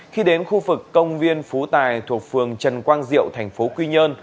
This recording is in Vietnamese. khi đến khu vực công viên phú tài thuộc phường trần quang diệu tp quy nhơn